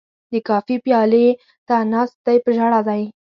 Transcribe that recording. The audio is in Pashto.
د کافي پیالې ته ناست دی په ژړا دی